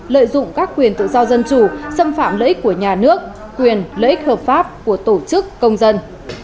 lợi dụng các quyền tự do dân chủ xâm phạm lợi ích của nhà nước quyền lợi ích hợp pháp của tổ chức công dân